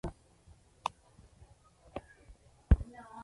Según Instituto Nacional de Medicina Legal el Mono Jojoy murió por aplastamiento.